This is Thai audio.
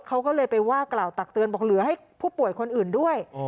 เขาก็เลยไปว่ากล่าวตักเตือนบอกเหลือให้ผู้ป่วยคนอื่นด้วย